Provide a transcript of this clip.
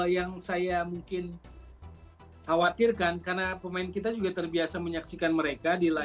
yang saya mungkin khawatirkan karena pemain kita juga terbiasa menyaksikan mereka